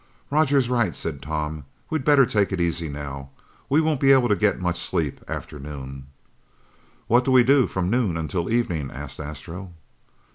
"Roger's right," said Tom. "We'd better take it easy now. We won't be able to get much sleep after noon." "What do we do from noon until evening?" asked Astro.